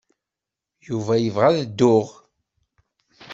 Yuba yebɣa ad dduɣ.